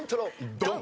ドン！